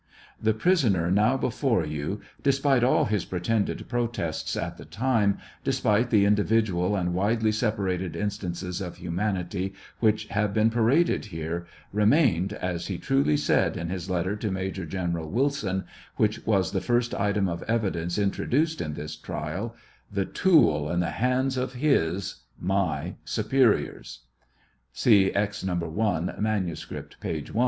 The prisoner how before you, despite all his pretended protests at the time, despite the individual and widely separated instances of humanity which have been paraded here, remained, as he truly said in his letter to Major General Wilson, which was the first item of evidence introduced in this trial, "the tool in the hands of his (my) superiors." (See Ex. No. 1 ; manuscript, p. 1.)